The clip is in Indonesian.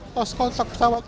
pos kontak pesawat